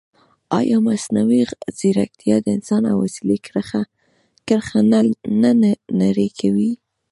ایا مصنوعي ځیرکتیا د انسان او وسیلې کرښه نه نری کوي؟